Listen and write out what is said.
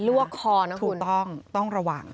ลั่วคอนะคุณถูกต้องต้องระหว่าง